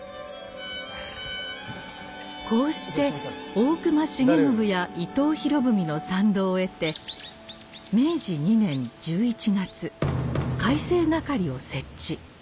こうして大隈重信や伊藤博文の賛同を得て明治二年十一月改正掛を設置。